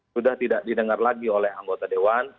sudah tidak didengar lagi oleh anggota dewan